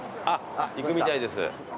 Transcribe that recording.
あっ行くみたいです。